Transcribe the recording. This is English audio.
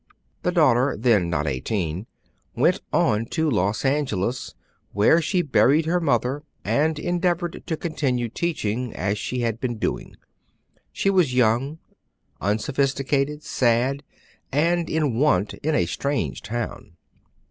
The daughter, then not eighteen, went on to Los Angeles, where she buried her mother, and endeavored to continue teaching as she had been doing. She was young, unsophisticated, sad, and in want in a strange town.